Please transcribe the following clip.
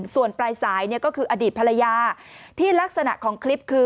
ส่วนปลายสายก็คืออดีตภรรยาที่ลักษณะของคลิปคือ